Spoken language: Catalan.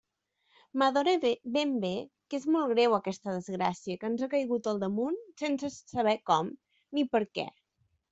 M'adone ben bé que és molt greu aquesta desgràcia que ens ha caigut al damunt sense saber com ni per què.